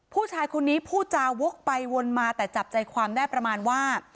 ผู้ชายคนนี้พูดจาวกไปวนมาแต่จับใจความได้ประมาณว่า